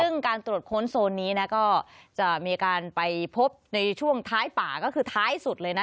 ซึ่งการตรวจค้นโซนนี้ก็จะมีการไปพบในช่วงท้ายป่าก็คือท้ายสุดเลยนะ